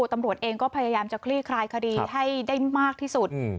ตำรวจเองก็พยายามจะคลี่คลายคดีให้ได้มากที่สุด